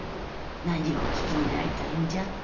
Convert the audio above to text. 何をお聞きになりたいんじゃ？